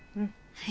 はい。